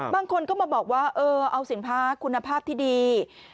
บางคนก็มาบอกว่าเออเอาสินค้าคุณภาพที่ดี